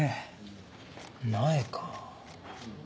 苗か。